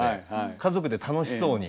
家族で楽しそうに。